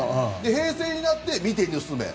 平成になって見て盗め。